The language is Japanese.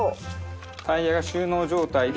タイヤが収納状態で。